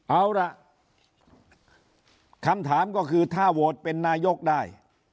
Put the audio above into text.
เอาล่ะคำถามก็คือถ้าโหวตเป็นนายกได้